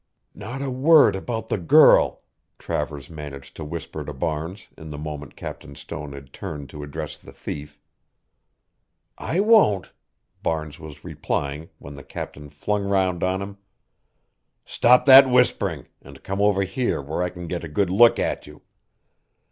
"Not a word about the girl," Travers managed to whisper to Barnes in the moment Captain Stone had turned to address the thief. "I won't" Barnes was replying when the Captain flung round on him. "Stop that whispering, and come over here where I can get a good look at you.